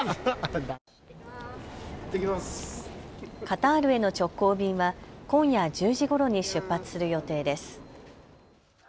カタールへの直行便は今夜１０時ごろに出発する予定です。